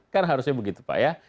kan harusnya begitu pak ya